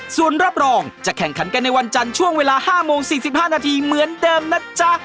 ส่วนรับรองจะแข่งขันกันในวันจันทร์ช่วงเวลา๕โมง๔๕นาทีเหมือนเดิมนะจ๊ะ